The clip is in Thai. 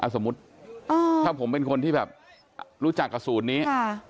สมมุติถ้าผมเป็นคนที่แบบรู้จักกับศูนย์นี้